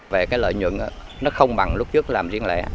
về cái lợi nhuận nó không bằng lúc trước làm riêng lẻ